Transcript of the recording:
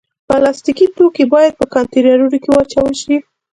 پلاستيکي توکي باید په کانټینرونو کې واچول شي.